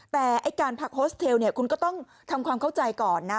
แต่การพักโฮสเทลคุณก็ต้องทำความเข้าใจก่อนนะ